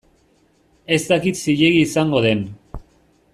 Ez dakit zilegi izango den.